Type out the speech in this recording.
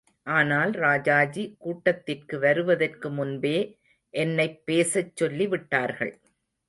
ஆனால் ராஜாஜி கூட்டத்திற்குவருவதற்கு முன்பே என்னைப் பேசச் சொல்லி விட்டார்கள்.